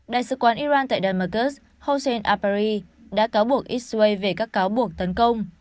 đại sứ quán iran tại damascus hossein abari đã cáo buộc israel về các cáo buộc tấn công